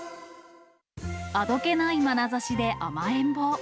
あどけないまなざしで甘えん坊。